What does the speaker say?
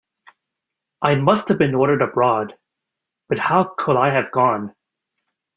I must have been ordered abroad, but how could I have gone?